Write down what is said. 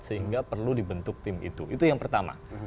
sehingga perlu dibentuk tim itu itu yang pertama